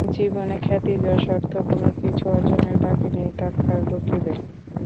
জীবনে খ্যাতি, যশ, অর্থ কোনো কিছু অর্জনের বাকি নেই ডাক্তার রকিবের।